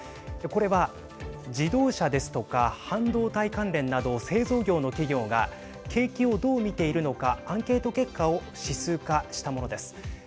これは自動車ですとか半導体関連など製造業の企業が景気をどう見ているのかアンケート結果を指数化したものです。